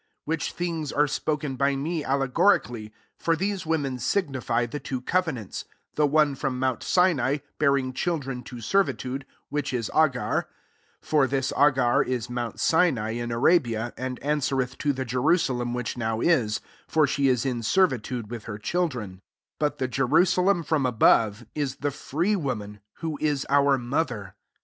24 Which things are spoken by me allegorically : for these women signify the two cove nants ; the one from Mount Sinai, bearing children to ser vitude, which is Agar : 25 (for this Agar is Mount Sinai in Arabia, and answereth to the Jerusalem which now is: for she is in servitude with her children:) 26 but the Jerusa lem from above, is the free woman, who is our mother.